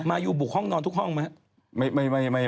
มายุบุกห้องนอนทุกห้องไหม